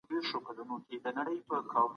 هيلۍ